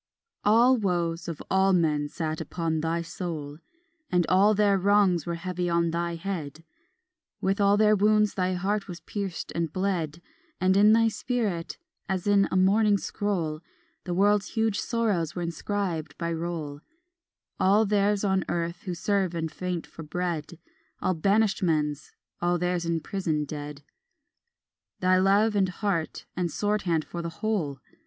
II All woes of all men sat upon thy soul And all their wrongs were heavy on thy head; With all their wounds thy heart was pierced and bled, And in thy spirit as in a mourning scroll The world's huge sorrows were inscribed by roll, All theirs on earth who serve and faint for bread, All banished men's, all theirs in prison dead, Thy love had heart and sword hand for the whole.